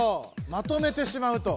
まとめてしまうと。